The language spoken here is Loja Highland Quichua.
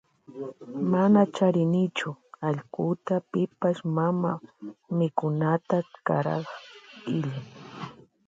Mana charinichu allkuta pipash mana mikunata karak illan.